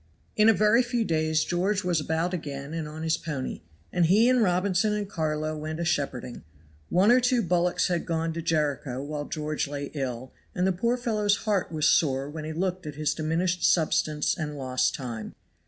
In a very few days George was about again and on his pony, and he and Robinson and Carlo went a shepherding. One or two bullocks had gone to Jericho while George lay ill, and the poor fellow's heart was sore when he looked at his diminished substance and lost time.